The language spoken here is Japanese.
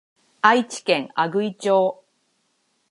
愛知県阿久比町